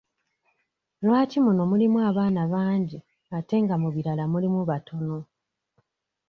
Lwaki muno mulimu abaana bangi ate nga mu birala mulimu batono?